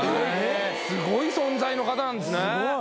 すごい存在の方なんですね